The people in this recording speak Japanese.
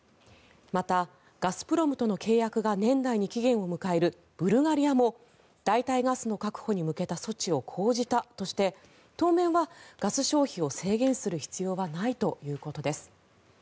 また、ガスプロムとの契約が年内に期限を迎えるブルガリアも代替ガスの確保に向けた措置を講じたとして当面はガス消費を制限する必要はないということです。